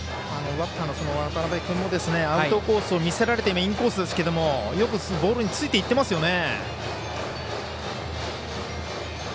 バッターの渡邊君もアウトコースを見せられてのインコースですけどよくボールについていってますよね。